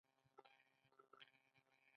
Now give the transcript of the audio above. آیا لاری ګانې هره ورځ توکي نه وړي؟